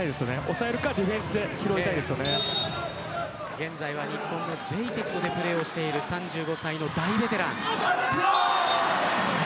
抑えるか現在は日本のジェイテクトでプレーしている３５歳の大ベテラン。